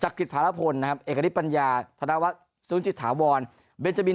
จักริจภารพลนะครับเอกริตปัญญาธนวัติซึ้งจิตถาวรเบนเจมส์